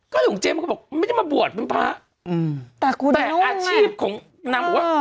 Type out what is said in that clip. ก็เลยของเจ๊มันก็บอกไม่ได้มาบวชเป็นพระอืมแต่คุณแต่อาชีพของนางบอกว่า